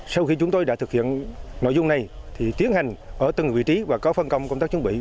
sau khi chúng tôi đã thực hiện nội dung này thì tiến hành ở từng vị trí và có phân công công tác chuẩn bị